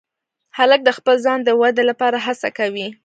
هلک د خپل ځان د ودې لپاره هڅه کوي.